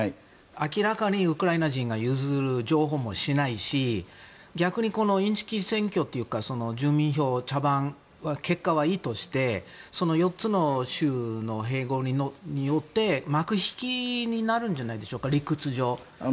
明らかにウクライナ人が譲歩もしないし逆にインチキ選挙というか住民投票、茶番は結果はいいとして４つの州の併合によって幕引きになるんじゃないでしょうか、理屈上。